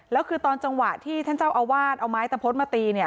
แล้วคือตอนจังหวะที่ท่านเจ้าอาวาสเอาไม้ตะพดมาตีเนี่ย